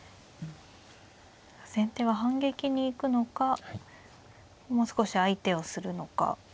先手は反撃に行くのかもう少し相手をするのか。